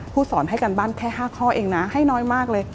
สอนให้การบ้านแค่๕ข้อเองนะให้น้อยมากเลย